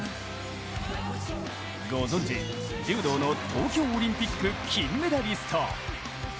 ご存じ、柔道の東京オリンピック金メダリスト。